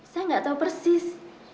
saya tidak tahu persis